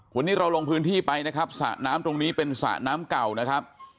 วันนี้เราลงพื้นที่ไปนะครับสระน้ำตรงนี้เป็นสระน้ำเก่านะครับ